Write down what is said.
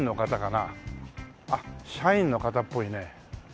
あっ社員の方っぽいね。